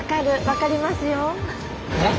分かりますよ。